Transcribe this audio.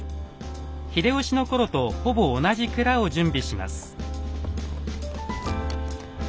秀吉の頃とほぼ同じくらを準備します。